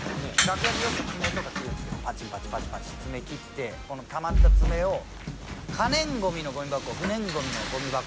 楽屋でよく爪とか切るんですけどパチパチパチパチ爪切ってこのたまった爪を可燃ゴミのゴミ箱